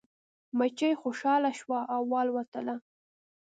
مچۍ خوشحاله شوه او والوتله.